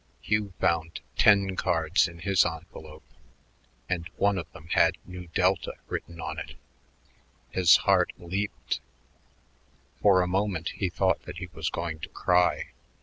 Hugh found ten cards in his envelope and one of them had Nu Delta written on it. His heart leaped; for a moment he thought that he was going to cry.